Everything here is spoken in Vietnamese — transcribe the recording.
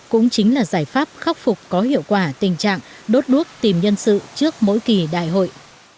cũng chính là giải pháp khắc phục có hiệu quả tình trạng đốt đuốc tìm nhân sự trước mỗi kỳ đại hội